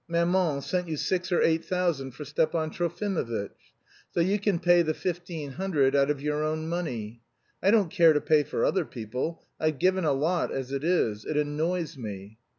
"Maman sent you six or eight thousand for Stepan Trofimovitch. So you can pay the fifteen hundred out of your own money. I don't care to pay for other people. I've given a lot as it is. It annoys me...."